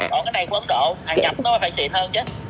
còn cái này của ấn độ hàng nhập nó phải xịn hơn chứ